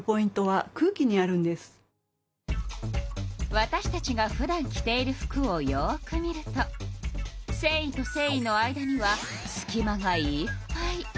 わたしたちがふだん着ている服をよく見るとせんいとせんいの間にはすき間がいっぱい。